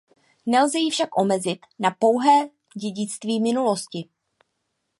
Nelze ji však omezit na pouhé dědictví minulosti.